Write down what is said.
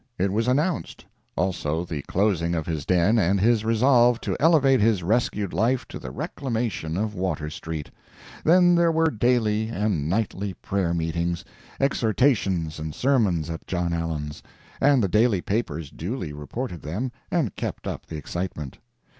It was announced. Also the closing of his den and his resolve to elevate his rescued life to the reclamation of Water street. Then there were daily and nightly prayer meetings, exhortations and sermons at John Allen's, and the daily papers duly reported them and kept up the excitement.